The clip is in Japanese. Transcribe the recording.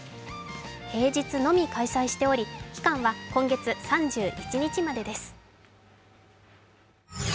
平日のみ開催しており期間は今月３１日までです。